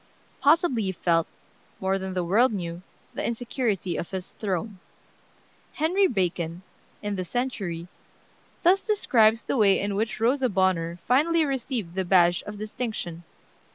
Possibly he felt, more than the world knew, the insecurity of his throne. Henry Bacon, in the Century, thus describes the way in which Rosa Bonheur finally received the badge of distinction.